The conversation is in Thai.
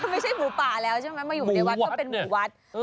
ไม่ใช่หมูป่าแล้วใช่ไหมมาอยู่ในวัดก็เป็นหมู่วัด